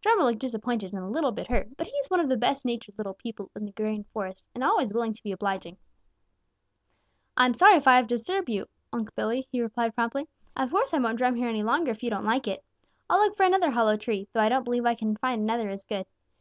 Drummer looked disappointed and a little bit hurt, but he is one of the best natured little people in the Green Forest and always willing to be obliging. "I'm sorry if I have disturbed you, Unc' Billy," he replied promptly. "Of course I won't drum here any longer, if you don't like it. I'll look for another hollow tree, though I don't believe I can find another as good.